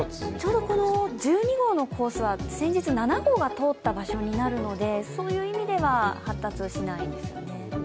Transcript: ちょうど１２号のコースは先日、７号が通ったコースになるのでそういう意味では発達しないですね。